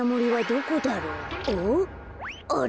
あれ？